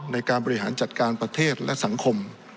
ในการบริหารจัดการประเทศและสังคม